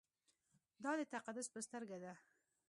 دا د تقدس په سترګه ده.